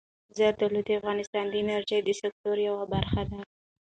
زردالو د افغانستان د انرژۍ د سکتور یوه برخه ده.